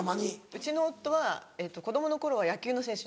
うちの夫は子供の頃は野球の選手になりたかった。